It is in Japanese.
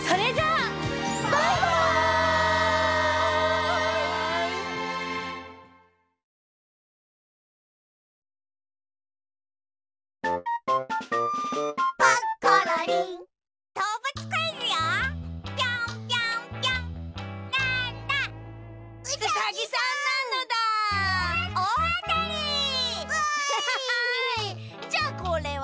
じゃあこれは？